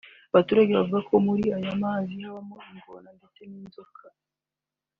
Abaturage bavuga ko muri aya mazi habamo ingona ndetse n’inzoka